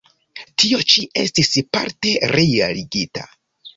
Tio ĉi estis parte realigita.